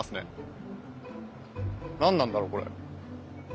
何なんだろうこれ。